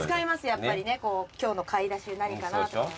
やっぱりね今日の買い出し何かなと。